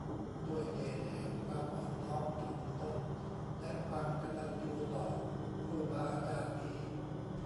ด้วยเดชแห่งความอ่อนน้อมถ่อมตนและความกตัญญูต่อครูบาอาจารย์นี้